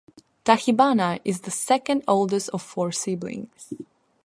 Tachibana is the second oldest of four siblings.